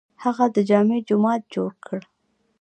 هغه د جامع جومات جوړ کړ.